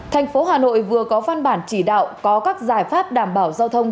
thành phố hà nội vừa có văn bản chỉ đạo có các giải pháp đảm bảo giao thông